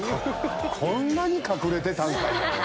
こんなに隠れてたんかいな。